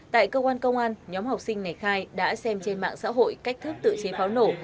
tại cơ quan công an nhóm học sinh này khai đã xem trên mạng xã hội cách thức tự chế pháo nổ